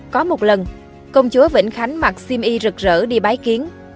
có một lần công chúa vĩnh khánh mặc xiêm y rực rỡ đi bái kiến